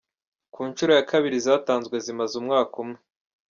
Ku nshuro ya kabiri izatanzwe zimaze umwaka umwe.